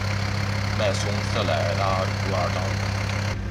迈松瑟莱拉茹尔当。